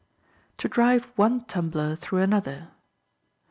To Drive One Tumbler Through Another.